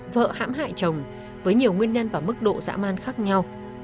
vợ hãm hại chồng với nhiều nguyên nhân và mức độ dã man khác nhau